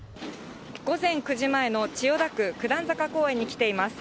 午前９時前の千代田区、九段坂公園に来ています。